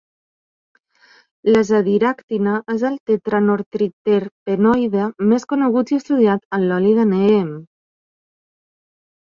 L'Azadiractina és el tetranortriterpenoide més conegut i estudiat en l'oli de neem.